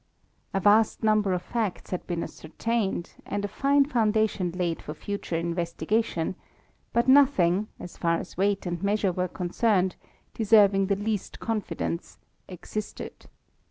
A vast number of facts had been ascertained, and a Sue fouadatioD laid for {uture investigation ; but nothing, as far as weight and measure were concerned, deserving the least confidence, existed.